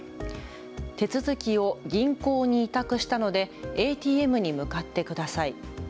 手続きを銀行に委託したのでＡＴＭに向かってください。